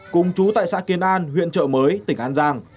cùng chú tại xã kiến an huyện trợ mới tỉnh an giang